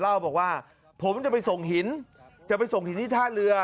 เล่าบอกว่าผมจะไปส่งหินจะไปส่งหินที่ท่าเรือ